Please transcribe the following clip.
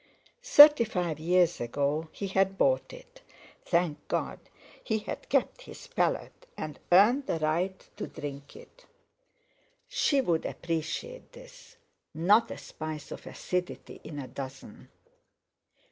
Thirty five years ago he had bought it—thank God he had kept his palate, and earned the right to drink it. She would appreciate this; not a spice of acidity in a dozen.